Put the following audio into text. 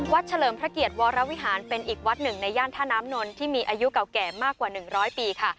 เฉลิมพระเกียรติวรวิหารเป็นอีกวัดหนึ่งในย่านท่าน้ำนนที่มีอายุเก่าแก่มากกว่า๑๐๐ปีค่ะ